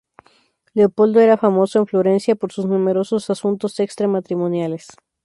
Leopoldo era famoso en Florencia por sus numerosos asuntos extra matrimoniales.